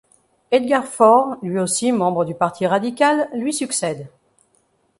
Edgar Faure, lui aussi membre du Parti radical, lui succède.